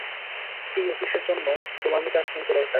এই অফিসের জন্য, তোমার মতো একজনকে দরকার।